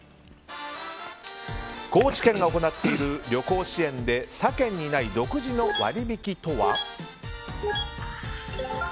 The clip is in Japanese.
高知県が行っている旅行支援で他県にない独自の割引とは。